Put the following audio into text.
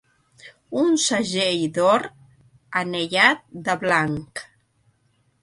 Un segell d'or anellat de blanc.